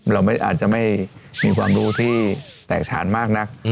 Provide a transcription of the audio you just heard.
เราอาจจะไม่มีความรู้ที่แตกฉานมากนัก